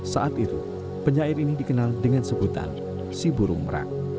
saat itu penyair ini dikenal dengan sebutan si burung merak